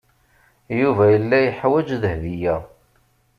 Yuba yella yeḥwaj Dahbiya.